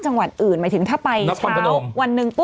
จังหวัดอื่นหมายถึงถ้าไปเช้าวันหนึ่งปุ๊